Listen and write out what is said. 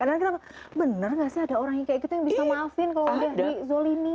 karena kita bilang bener nggak sih ada orang yang kayak gitu yang bisa maafin kalau dia dizolini